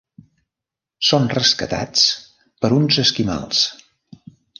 Són rescatats per uns esquimals.